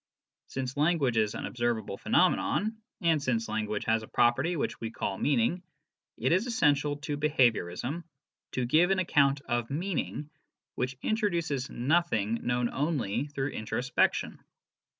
Since language is an observable phenomenon, and since language has a property which we call " meaning," it is essential to behaviourism to give an account of " meaning " which introduces nothing known only through introspection.